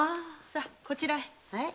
さあこちらへ。